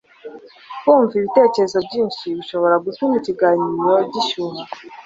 kumva ibitekerezo byinshi bishobora gutuma ikiganiro gishyuha